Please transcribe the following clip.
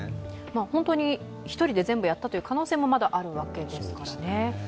本当に１人で全部やった可能性もまだあるわけですからね。